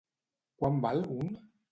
Quant val un.?